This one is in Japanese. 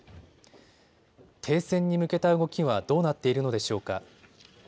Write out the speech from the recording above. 停戦に向けた動きはどうなっているのでしょうか。